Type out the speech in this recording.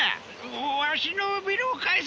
わしのビルを返せ！